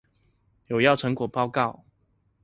有要成果報告